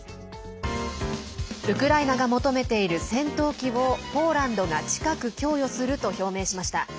ウクライナが求めている戦闘機をポーランドが近く供与すると表明しました。